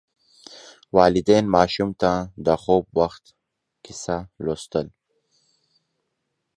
والدین ماشوم ته د خوب وخت کیسه لوستل.